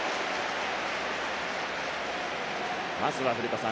まずは古田さん